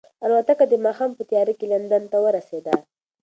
الوتکه د ماښام په تیاره کې لندن ته ورسېده.